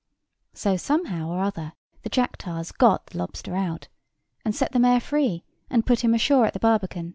So somehow or other the Jack tars got the lobster out, and set the mayor free, and put him ashore at the Barbican.